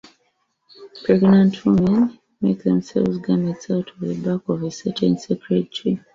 Pregnant women make themselves garments out of the bark of a certain sacred tree.